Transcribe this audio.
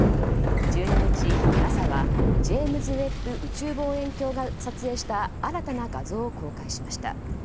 １２日、ＮＡＳＡはジェームズ・ウェッブ宇宙望遠鏡が撮影した新たな画像を公開しました。